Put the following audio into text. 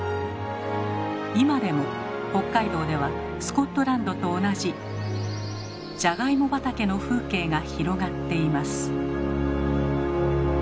今でも北海道ではスコットランドと同じじゃがいも畑の風景が広がっています。